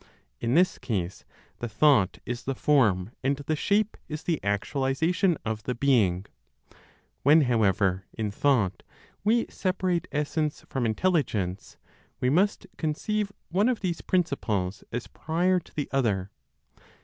In this case the thought is the form, and the shape is the actualization of the being. When, however, in thought we separate essence from Intelligence, we must conceive one of these principles as prior to the other.